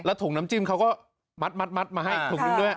ถุงน้ำจิ้มเขาก็มัดมาให้ถุงหนึ่งด้วย